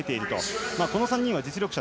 この３人は実力者。